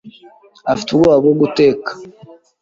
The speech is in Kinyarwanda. Afite ubwoba bwo guteka.